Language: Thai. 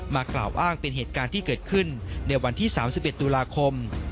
กล่าวอ้างเป็นเหตุการณ์ที่เกิดขึ้นในวันที่๓๑ตุลาคม